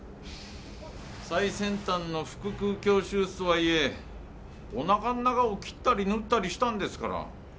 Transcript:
最先端の腹腔鏡手術とはいえおなかの中を切ったり縫ったりしたんですから。